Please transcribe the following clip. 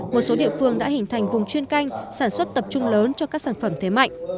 một số địa phương đã hình thành vùng chuyên canh sản xuất tập trung lớn cho các sản phẩm thế mạnh